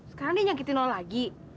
sekarang dia nyakitin lagi